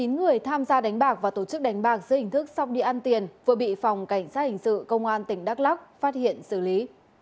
một mươi chín người tham gia đánh bạc và tổ chức đánh bạc dưới hình thức xong đi ăn tiền vừa bị phòng cảnh sát hình sự công an tỉnh đắk lắc phát hiện xử lý